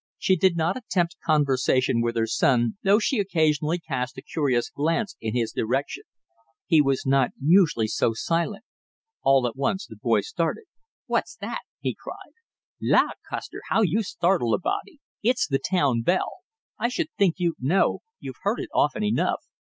She did not attempt conversation with her son, though she occasionally cast a curious glance in his direction; he was not usually so silent. All at once the boy started. "What's that?" he cried. "La, Custer, how you startle a body! It's the town bell. I should think you'd know; you've heard it often enough."